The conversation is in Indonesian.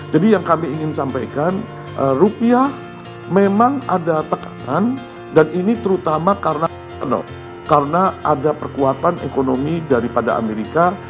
jadi yang kami ingin sampaikan rupiah memang ada tekanan dan ini terutama karena ada perkuatan ekonomi daripada amerika